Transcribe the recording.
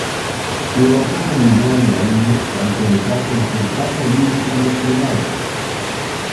E o arqueiro Miguel Alvariño vai pelexar pola súa praza olímpica nos xulgados.